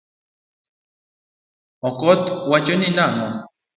Okoth wachoni nango?